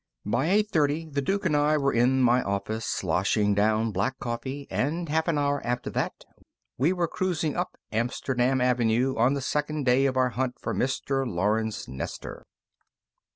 By eight thirty, the Duke and I were in my office, sloshing down black coffee, and, half an hour after that, we were cruising up Amsterdam Avenue on the second day of our hunt for Mr. Lawrence Nestor.